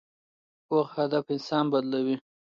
پوخ هدف انسان بدلوي